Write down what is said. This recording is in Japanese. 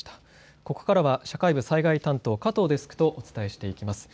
ここから社会部災害担当加藤デスクとお伝えします。